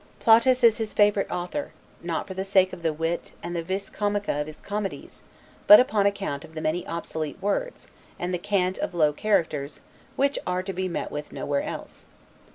Plautus is his favorite author, not for the sake of the wit and the vis comica of his comedies, but upon account of the many obsolete words, and the cant of low characters, which are to be met with nowhere else.